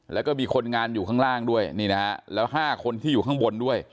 แล้วก็มีคนงานอยู่ข้างล่างด้วยนี่นะฮะแล้ว๕คนที่อยู่ข้างบนด้วย